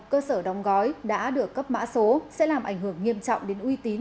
cơ sở đóng gói đã được cấp mã số sẽ làm ảnh hưởng nghiêm trọng đến uy tín